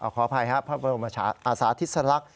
ขออภัยครับพระบรมอาสาธิสลักษณ